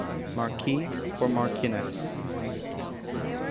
_Marquis or Marchioness.